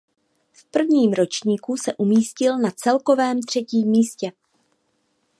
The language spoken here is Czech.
V prvním ročníku se umístil na celkovém třetím místě.